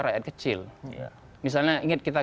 rakyat kecil misalnya